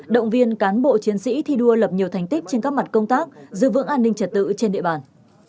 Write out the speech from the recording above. động viên cán bộ chiến sĩ thi đua lập nhiều thành tích trên các mặt công tác giữ vững an ninh trật tự trên địa bàn